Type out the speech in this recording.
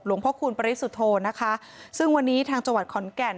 พระคุณปริสุทธโธนะคะซึ่งวันนี้ทางจังหวัดขอนแก่น